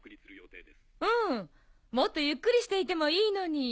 うんもっとゆっくりしていてもいいのに。